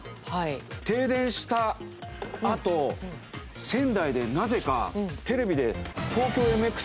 停電した後仙台でなぜかテレビで。